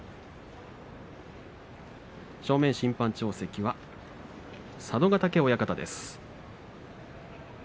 正面審判長席は佐渡ヶ嶽親方です。